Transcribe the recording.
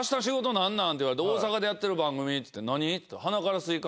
何なん？」って言われて「大阪でやってる番組」って言って「何？」って「鼻からスイカ」。